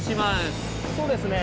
そうですね。